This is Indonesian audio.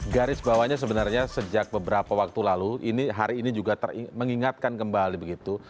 garis bawahnya sebenarnya sejak beberapa waktu lalu hari ini juga mengingatkan kembali begitu